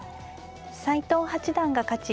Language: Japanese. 斎藤八段が勝ち